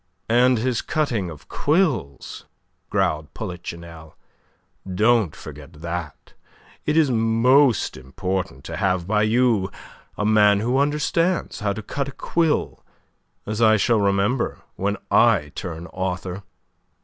"And his cutting of quills," growled Polichinelle. "Don't forget that. It is most important to have by you a man who understands how to cut a quill, as I shall remember when I turn author."